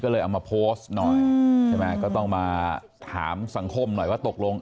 ก็เลยเอามาโพสต์หน่อยใช่ไหมก็ต้องมาถามสังคมหน่อยว่าตกลง